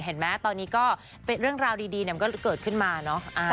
เห็นไหมตอนนี้ก็เป็นเรื่องราวดีมันก็เกิดขึ้นมาเนอะ